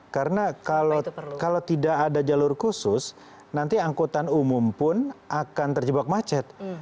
karena kalau tidak ada jalur khusus nanti angkutan umum pun akan terjebak macet